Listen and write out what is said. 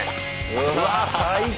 うわっ最高。